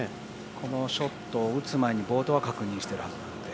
このショットを打つ前にボードは確認してるはずなんで。